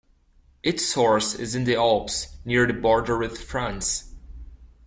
Its source is in the Alps, near the border with France.